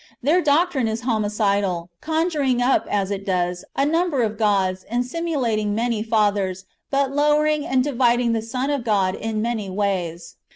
Their doctrine is homicidal, conjuring up, as it does, a number of gods, and simulating many Fathers, but lowering and dividing the Son of God in many ways.